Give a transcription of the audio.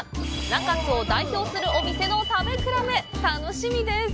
中津を代表するお店の食べ比べ楽しみです！